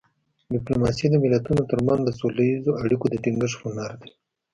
ډیپلوماسي د ملتونو ترمنځ د سوله اییزو اړیکو د ټینګښت هنر دی